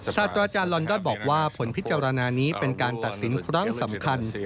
ศาสตราจารย์ลอนดอนบอกว่าผลพิจารณานี้เป็นการตัดสินครั้งสำคัญ